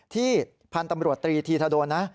ที่พันธุ์ตำรวจตรีธีทะโดนนะ